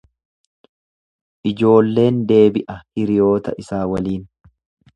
Ijoolleen deebi'a hiriyoota isaa waliin.